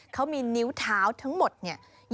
เขามีนิ้วเท้าทั้งหมดเนี่ย